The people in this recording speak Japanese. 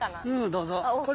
どうぞ。